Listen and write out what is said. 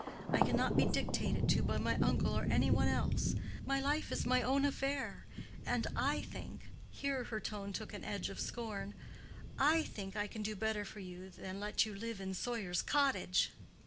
I cannot be dictated to by my uncle or any one else. My life is my own affair. And I think"—here her tone took an edge of scorn—"I think I can do better for you than let you live in Sawyer's Cottage."